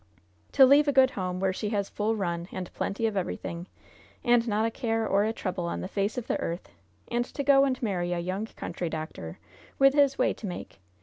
"To leave a good home, where she has full run and plenty of everything, and not a care or a trouble on the face of the earth, and to go and marry a young, country doctor, with his way to make!